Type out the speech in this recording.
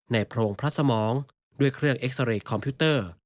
โพรงพระสมองด้วยเครื่องเอ็กซาเรย์คอมพิวเตอร์